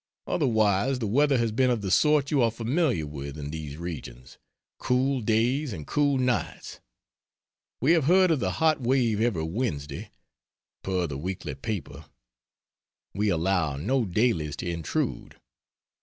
Otherwise the weather has been of the sort you are familiar with in these regions: cool days and cool nights. We have heard of the hot wave every Wednesday, per the weekly paper we allow no dailies to intrude.